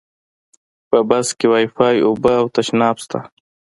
په بس کې وایفای، اوبه او تشناب شته.